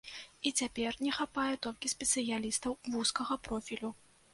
І цяпер не хапае толькі спецыялістаў вузкага профілю.